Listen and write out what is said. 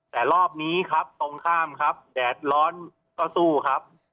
แต่รอบนี้ครับตรงข้ามครับแดดร้อนก็สู้ครับ